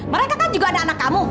mereka kan juga ada anak kamu